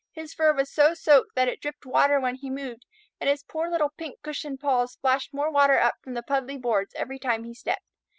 His fur was so soaked that it dripped water when he moved, and his poor little pink cushioned paws splashed more water up from the puddly boards every time he stepped.